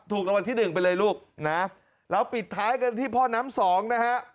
ถูกรางวัลที่๑ไปเลยลูกนะแล้วปิดท้ายกันที่พ่อน้ำ๒นะฮะ